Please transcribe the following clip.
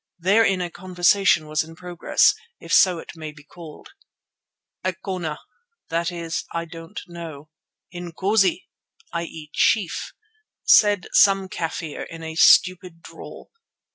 There a conversation was in progress, if so it may be called. "Ikona" (that is: "I don't know"), "Inkoosi" (i.e. "Chief"), said some Kafir in a stupid drawl.